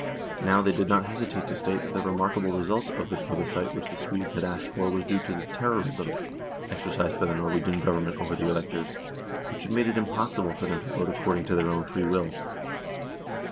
Now they did not hesitate to state that the remarkable result of the plebiscite which the Swedes had asked for was due to the " terrorism " exercised by the Norwegian Government over the electors, which had made it impossible for them to vote according to their own free will.